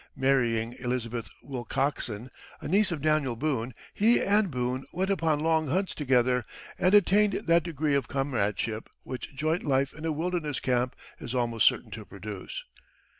Marrying Elizabeth Wilcoxen, a niece of Daniel Boone, he and Boone went upon long hunts together, and attained that degree of comradeship which joint life in a wilderness camp is almost certain to produce.